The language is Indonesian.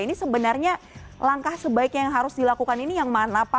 ini sebenarnya langkah sebaiknya yang harus dilakukan ini yang mana pak